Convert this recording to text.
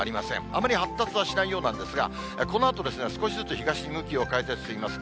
あまり発達はしないようなんですが、このあと少しずつ、東に向きを変えて進みます。